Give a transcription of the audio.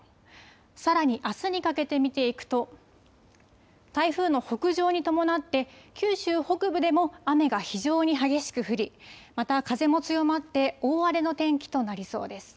さらにあすにかけて見ていくと台風の北上に伴って九州北部でも雨が非常に激しく降りまた風も強まって大荒れの天気となりそうです。